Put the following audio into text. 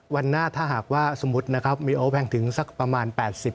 วันหน้าถ้าหากว่าสมมุตินะครับมีโอแพงถึงสักประมาณ๘๐